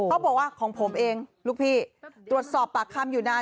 เขาบอกว่าของผมเองลูกพี่ตรวจสอบปากคำอยู่นาน